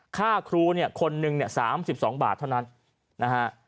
ค่าครูเนี่ยคนนึงเนี่ย๓๒บาทเท่านั้นนะฮะ